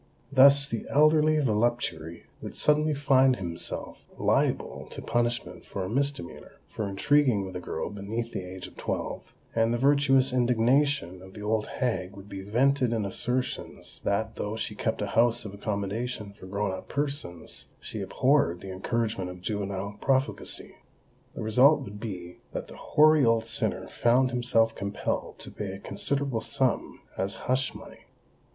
Thus the elderly voluptuary would suddenly find himself liable to punishment for a misdemeanour, for intriguing with a girl beneath the age of twelve; and the virtuous indignation of the old hag would be vented in assertions that though she kept a house of accommodation for grown up persons, she abhorred the encouragement of juvenile profligacy. The result would be that the hoary old sinner found himself compelled to pay a considerable sum as hush money.